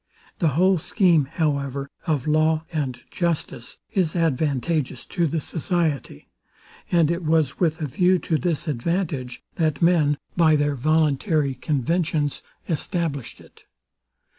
The whole scheme, however, of law and justice is advantageous to the society; and it was with a view to this advantage, that men, by their voluntary conventions, established it.